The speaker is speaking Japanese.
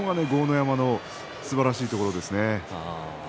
山のすばらしいところですね。